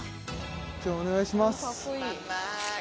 じゃあお願いします